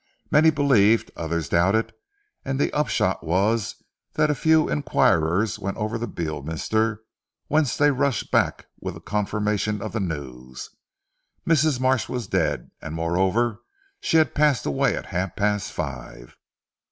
Many believed, others doubted, and the upshot was that a few enquirers went over to Beorminster whence they rushed back with a confirmation of the news. Mrs. Marsh was dead, and moreover she had passed away at half past five.